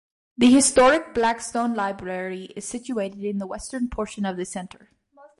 The historic Blackstone Library is situated in the western portion of the Center.